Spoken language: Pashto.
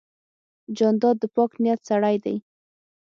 جانداد د پاک نیت سړی دی.